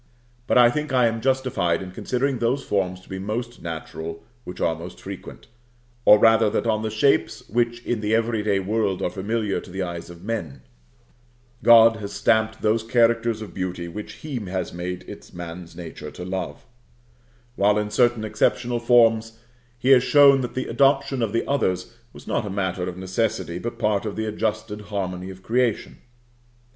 But I think I am justified in considering those forms to be most natural which are most frequent; or, rather, that on the shapes which in the every day world are familiar to the eyes of men, God has stamped those characters of beauty which He has made it man's nature to love; while in certain exceptional forms He has shown that the adoption of the others was not a matter of necessity, but part of the adjusted harmony of creation.